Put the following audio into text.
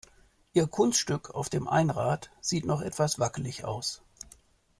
Ihr Kunststück auf dem Einrad sieht noch etwas wackelig aus.